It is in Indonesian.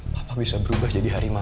bapak bisa berubah jadi harimau